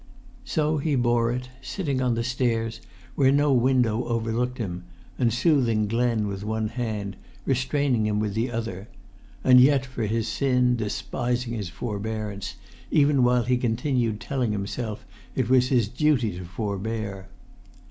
So he bore it, sitting on the stairs, where no window overlooked him, and soothing Glen with one hand, restraining him with the other; and yet, for his sin, despising his forbearance, even while he continued telling himself it was his duty to forbear.